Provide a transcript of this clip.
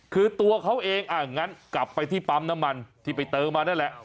คือตัวเขาเองอ่ะงั้นกลับไปที่ปั๊มน้ำมันที่ไปเติมมานั่นแหละ